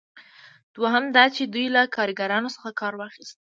دوهم دا چې دوی له کاریګرانو څخه کار واخیست.